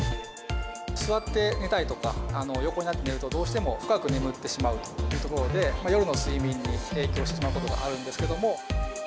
座って寝たりとか、横になって寝ると、どうしても深く眠ってしまうというところで、夜の睡眠に影響してしまうことがあるんですけれども。